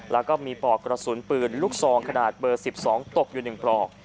แล้วก็มีปลอกกระสุนปืนลูกซองขนาดเบอร์๑๒ตกอยู่๑ปลอก